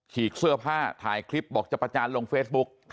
กเสื้อผ้าถ่ายคลิปบอกจะประจานลงเฟซบุ๊ก